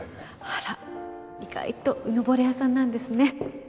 あら意外とうぬぼれ屋さんなんですね。